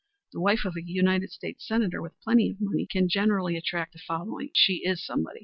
The wife of a United States Senator with plenty of money can generally attract a following; she is somebody.